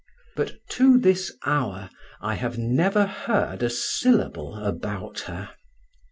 But to this hour I have never heard a syllable about her.